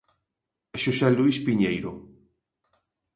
Xosé Luís Piñeiro.